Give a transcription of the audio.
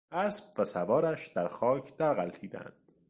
اسب و سوارش در خاک در غلتیدند.